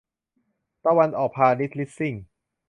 ตะวันออกพาณิชย์ลีสซิ่ง